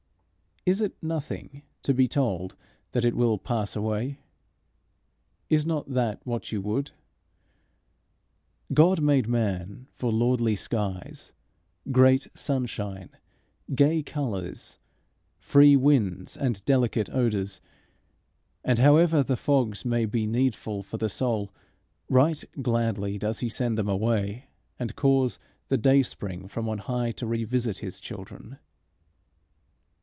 Is it nothing to be told that it will pass away? Is not that what you would? God made man for lordly skies, great sunshine, gay colours, free winds, and delicate odours; and however the fogs may be needful for the soul, right gladly does he send them away, and cause the dayspring from on high to revisit his children.